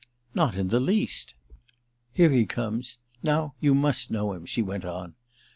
"Not in the least!" "Here he comes. Now you must know him," she went on.